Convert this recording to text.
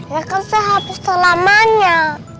yang kan sahabat selamanya